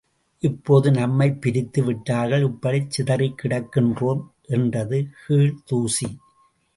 இப்போது நம்மைப் பிரித்து விட்டார்கள், இப்படிச் சிதறிக் கிடக்கின்றோம் என்றது கீழ்தூசி.